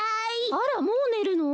あらもうねるの？